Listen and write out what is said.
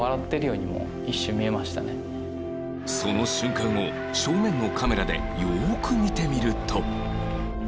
その瞬間を正面のカメラでよく見てみると